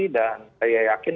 dan saya yakin